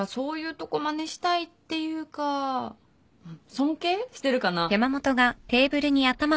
尊敬してるかな。